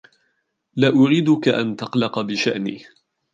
لا أريدك أن تقلق بشأني.